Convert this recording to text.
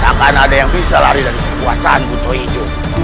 takkan ada yang bisa lari dari kekuasaan butoh hijau